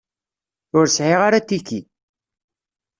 Ur sεiɣ ara atiki.